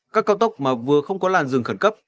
các cao tốc mà vừa không có làn dừng khẩn cấp